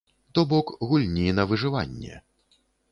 То бок гульні на выжыванне.